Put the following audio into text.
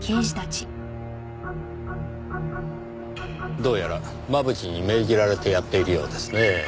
どうやら真渕に命じられてやっているようですね。